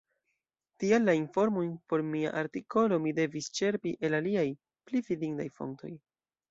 Tial la informojn por mia artikolo mi devis ĉerpi el aliaj, pli fidindaj fontoj.